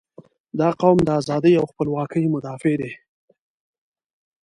• دا قوم د ازادۍ او خپلواکۍ مدافع دی.